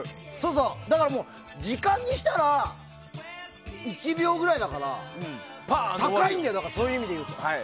だから、時間にしたら１秒ぐらいだから高いんだよそういう意味でいうと。